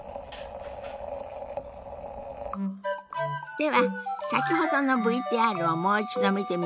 では先ほどのＶＴＲをもう一度見てみましょう。